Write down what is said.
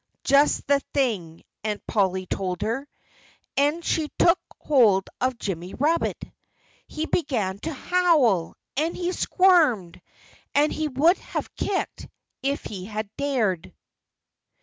"Just the thing!" Aunt Polly told her. And she took hold of Jimmy Rabbit. He began to howl. And he squirmed. And he would have kicked, if he had dared.